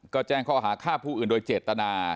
ก็แจ้งข้อหาฆ่าผู้อื่นโดยเจตนา